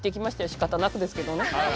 しかたなくですけどね。